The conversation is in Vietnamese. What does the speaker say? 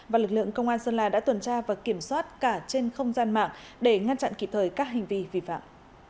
và lực lượng công an sơn la đã tuần tra và kiểm soát cả trên không gian mạng để ngăn chặn kịp thời các hành vi vi phạm